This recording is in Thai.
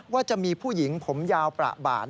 ว่าจะมีผู้หญิงผมยาวประบาน